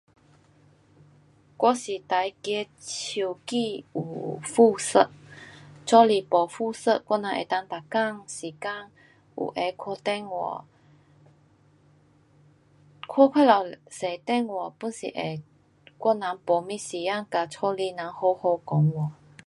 我是最怕手机有辐射。若是没辐射我人能够每天时间有空看电话。看过头多电话 pun 是会我人没什么时间跟家里人好好讲话。